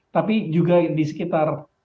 tapi juga di sekitar